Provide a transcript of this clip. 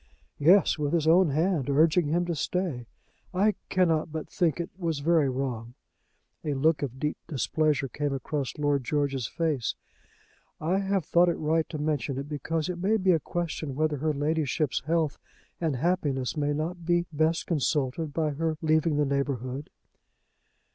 "Yes, with his own hand, urging him to stay. I cannot but think it was very wrong." A look of deep displeasure came across Lord George's face. "I have thought it right to mention it, because it may be a question whether her Ladyship's health and happiness may not be best consulted by her leaving the neighbourhood."